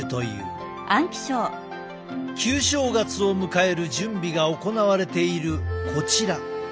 旧正月を迎える準備が行われているこちら。